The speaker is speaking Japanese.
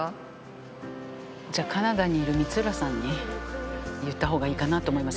じゃあカナダにいる光浦さんに言った方がいいかなと思います。